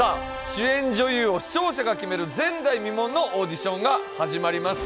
主演女優を視聴者が決める前代未聞のオーディションが始まります。